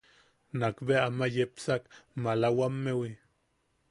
Nakbea aman yepsak malawamewi.